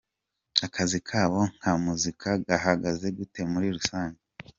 Akazi kabo nka muzika gahagaze gute muri rusange?.